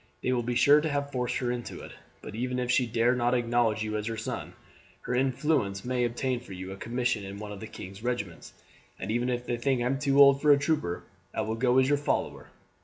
They will be sure to have forced her into it; but even if she dare not acknowledge you as her son, her influence may obtain for you a commission in one of the king's regiments, and even if they think I'm too old for a trooper I will go as your follower.